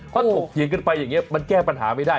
เขาถกเถียงกันไปอย่างนี้มันแก้ปัญหาไม่ได้